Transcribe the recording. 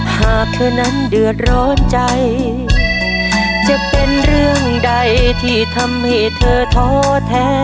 หากเธอนั้นเดือดร้อนใจจะเป็นเรื่องใดที่ทำให้เธอท้อแท้